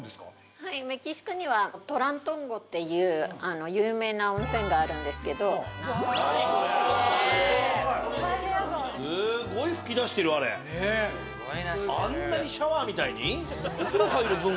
はいメキシコにはっていう有名な温泉があるんですけど何これスゴい噴き出してるあれあんなにシャワーみたいに？